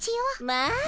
まあ！